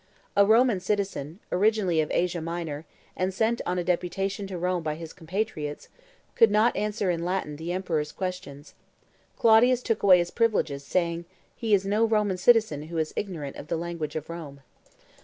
A Roman citizen, originally of Asia Minor, and sent on a deputation to Rome by his compatriots, could not answer in Latin the emperor's questions. Claudius took away his privileges, saying, "He is no Roman citizen who is ignorant of the language of Rome."